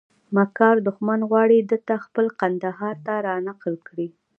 مکار دښمن غواړي دته خېل کندهار ته رانقل کړي.